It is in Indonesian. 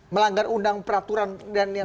melanggar undang peraturan dan yang